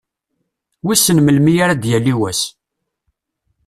Wissen melmi ara d-yali wass?